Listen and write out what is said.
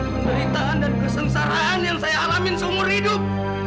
keterlitaan dan kesengsaraan yang saya alami seumur hidup